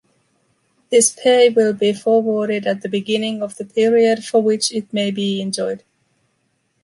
This pay will be forwarded at the beginning of the period for which it may be enjoyed.